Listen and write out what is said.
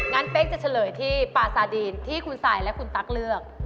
เป๊กจะเฉลยที่ปาซาดีนที่คุณสายและคุณตั๊กเลือก